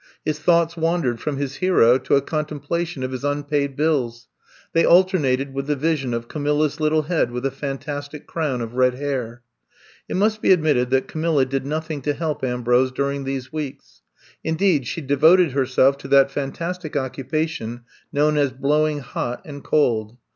His thoughts wandered from his hero to a contemplation of his unpaid bills. They alternated with the vision of Camilla's little head with a fan tastic crown of red hair. It must be admitted that Camilla did nothing to help Ambrose during these weeks. Indeed, she devoted herself to that fantastic occupation known as blowing hot and cold.